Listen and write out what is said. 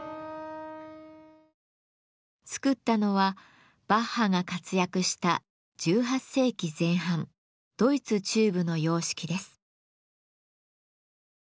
作ったのはバッハが活躍した１８世紀前半ドイツ中部の様式です。